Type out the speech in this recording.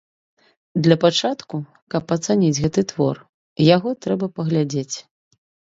Для пачатку, каб ацаніць гэты твор, яго трэба паглядзець.